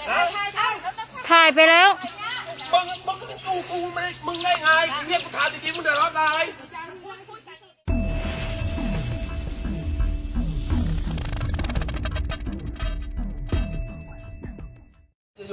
กระตาดร้อนตรงไหน